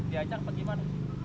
diajak apa gimana